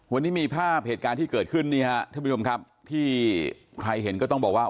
วันนี้มีภาพเหตุการณ์ที่เกิดขึ้นนี่ฮะท่านผู้ชมครับที่ใครเห็นก็ต้องบอกว่า